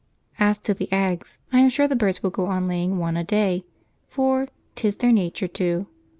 As to the eggs, I am sure the birds will go on laying one a day for 'tis their nature to.